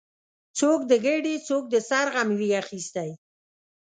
څوک د ګیډې، څوک د سر غم وي اخیستی